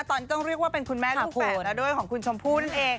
ตอนนี้ต้องเรียกว่าเป็นคุณแม่ลูกแฝดแล้วด้วยของคุณชมพูน